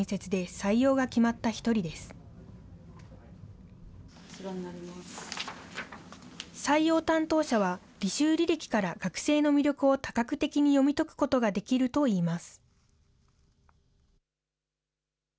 採用担当者は、履修履歴から学生の魅力を多角的に読み解くことができるといいます。